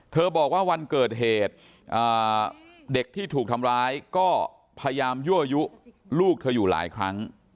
บอกว่าวันเกิดเหตุเด็กที่ถูกทำร้ายก็พยายามยั่วยุลูกเธออยู่หลายครั้ง